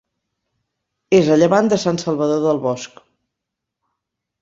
És a llevant de Sant Salvador del Bosc.